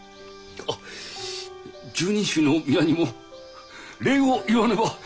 拾人衆の皆にも礼を言わねば！